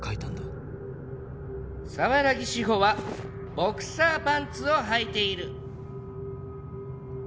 沢良宜志法はボクサーパンツをはいている。